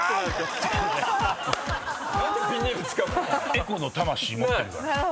エコの魂持ってるから。